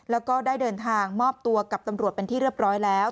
แล้วก็ได้เดินทางมอบตัวกับตำรวจเป็นที่เรียบร้อยแล้ว